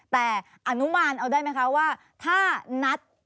แต่อนุมานเอาได้ไหมคะว่าถ้านัด